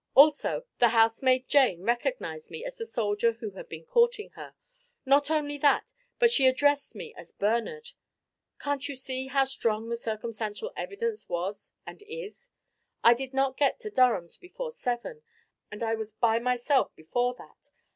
Also the housemaid Jane recognized me as the soldier who had been courting her. Not only that, but she addressed me as Bernard. Can't you see how strong the circumstantial evidence was and is? I did not get to Durham's before seven, and I was by myself before that.